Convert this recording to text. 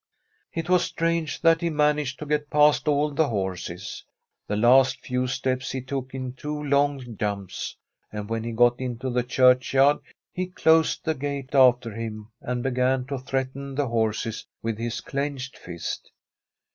It was strange that he managed to get past all the horses. The last few steps he took in two long jumps, and when he got into the churchyard he closed the gate after him, and From a SWEDISH HOMESTEAD began to threaten the horses with his clenched fist.